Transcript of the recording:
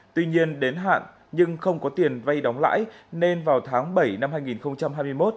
tuy nhiên đến hạn nhưng không có tiền vay đóng lãi nên vào tháng bảy năm hai nghìn hai mươi một